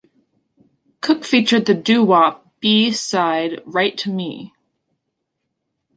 Cook featured the Doo Wop "B" side "Write to me".